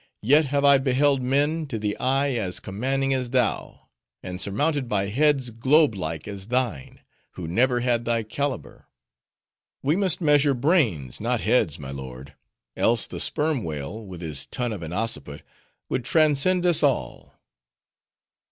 Yet, have I beheld men, to the eye as commanding as thou; and surmounted by heads globe like as thine, who never had thy caliber. We must measure brains, not heads, my lord; else, the sperm whale, with his tun of an occiput, would transcend us all."